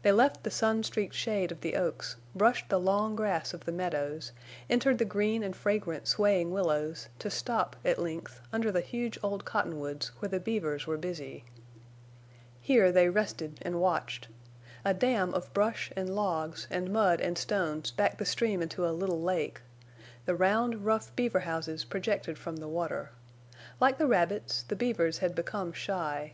They left the sun streaked shade of the oaks, brushed the long grass of the meadows, entered the green and fragrant swaying willows, to stop, at length, under the huge old cottonwoods where the beavers were busy. Here they rested and watched. A dam of brush and logs and mud and stones backed the stream into a little lake. The round, rough beaver houses projected from the water. Like the rabbits, the beavers had become shy.